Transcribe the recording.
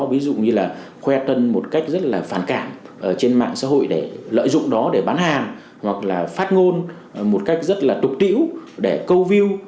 ví dụ như là khoe tân một cách rất là phản cảm trên mạng xã hội để lợi dụng đó để bán hàng hoặc là phát ngôn một cách rất là tục tiễu để câu view